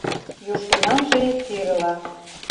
Южгунамже пирыла